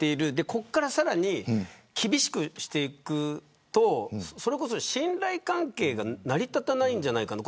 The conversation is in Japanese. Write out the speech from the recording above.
ここからさらに厳しくしていくとそれこそ信頼関係が成り立たないんじゃないかと。